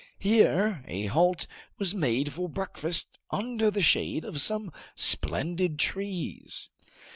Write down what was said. Here a halt was made for breakfast under the shade of some splendid trees.